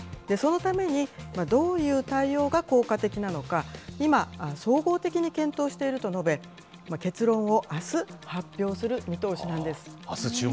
そのためにどういう対応が効果的なのか、今、総合的に検討していると述べ、結論をあす、発表する見通しなんです。